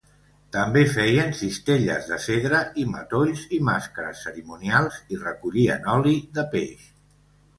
També feien cistelles de cedre i matolls i màscares cerimonials, i recollien oli de peix.